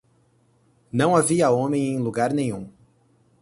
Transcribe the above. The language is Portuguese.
Não havia homem em lugar nenhum!